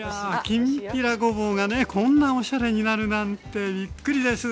きんぴらごぼうがねこんなおしゃれになるなんてびっくりです。